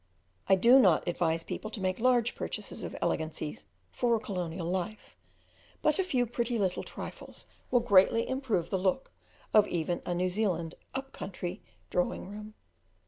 I do not advise people to make large purchases of elegancies for a colonial life, but a few pretty little trifles will greatly improve the look of even a New Zealand up country drawing room.